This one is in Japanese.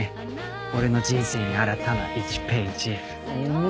「俺の人生に新たな１ページ」おお！